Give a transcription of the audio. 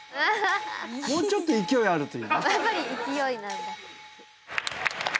もうちょっと勢いあると。